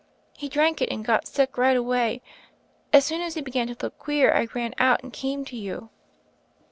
He drank it, and got sick right away. As soon as he began to look queer, I ran out, and came to you."